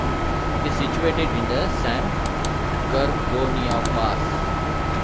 It is situated in the San Gorgonio Pass.